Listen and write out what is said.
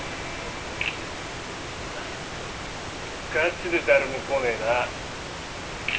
ガチで誰も来ねえな。